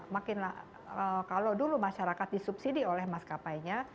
makinlah kalau dulu masyarakat disubsidi oleh maskapainya